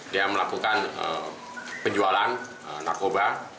dia melakukan penjualan narkoba